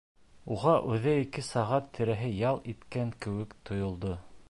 Уға үҙе ике сәғәт тирәһе ял иткән кеүек тойолдо.